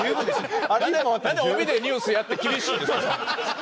なんで帯でニュースやって厳しいんですか？